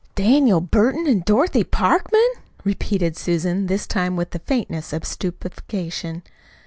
"Daniel Burton an' Dorothy Parkman!" repeated Susan, this time with the faintness of stupefaction.